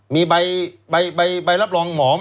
มีใบรับรองหมอไหม